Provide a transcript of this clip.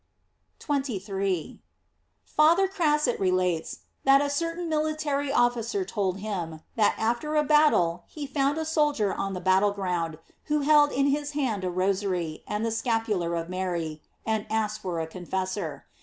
* 23. — Father Crasset relates, that a certain military officer told him, that after a battle he found a soldier on the battle ground who held in his hand a Rosary and the scapular of Mary, and asked for a confessor.